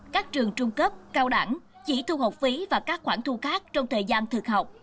các trường trung cấp cao đẳng chỉ thu học phí và các khoản thu khác trong thời gian thực học